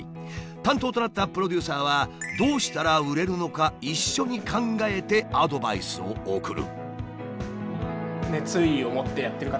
担当となったプロデューサーはどうしたら売れるのか一緒に考えてアドバイスを送る。